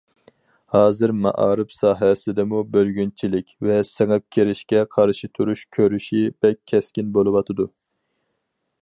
ھازىر، مائارىپ ساھەسىدىمۇ بۆلگۈنچىلىك ۋە سىڭىپ كىرىشكە قارشى تۇرۇش كۈرىشى بەك كەسكىن بولۇۋاتىدۇ.